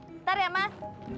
ntar ya mas